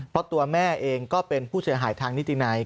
เพราะตัวแม่เองก็เป็นผู้เสียหายทางนิตินัย